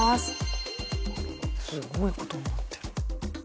すごい事になってる。